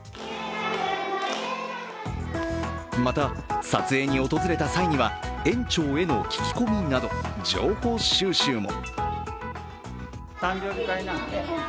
また、撮影に訪れた際には園長への聞き込みなど情報収集も。